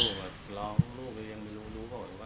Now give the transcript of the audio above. ลูกแบบร้องลูกก็ยังไม่รู้ว่าพ่อเสียนะ